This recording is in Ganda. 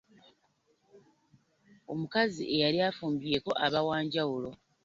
Omukazi eyali afumbyeko aba wa njawulo.